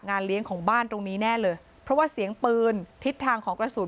เลี้ยงของบ้านตรงนี้แน่เลยเพราะว่าเสียงปืนทิศทางของกระสุน